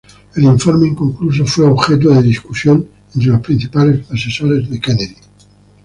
El informe inconcluso fue objeto de discusión entre los principales asesores de Kennedy.